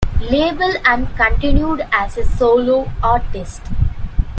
label and continued as a solo artist.